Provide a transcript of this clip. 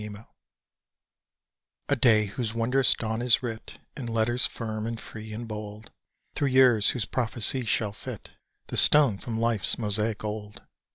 UNKNOWN A day whose wondrous dawn is writ In letters firm and free and bold, Through years whose prophecies shall fit This stone from Life's mosaic old!